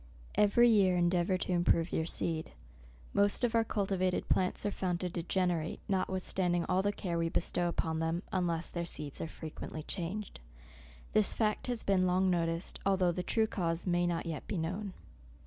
Every year endeavour to improve your seed. Most of our cultivated plants are found to degenerate, notwithstanding all the care we can bestow upon them, unless their seeds are frequently changed. This fact has been long noticed, although the true cause may not yet be known.